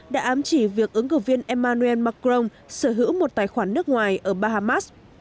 đã ám chỉ việc ứng cử viên emmanuel macron sở hữu một tài khoản nước ngoài ở bahamas